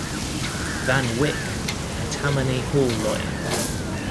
Van Wyck, a Tammany Hall lawyer.